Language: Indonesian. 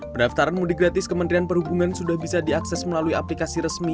pendaftaran mudik gratis kementerian perhubungan sudah bisa diakses melalui aplikasi resmi